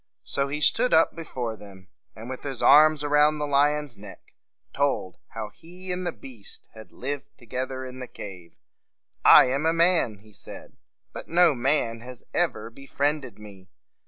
So he stood up before them, and, with his arm around the lion's neck, told how he and the beast had lived together in the cave. "I am a man," he said; "but no man has ever befriended me.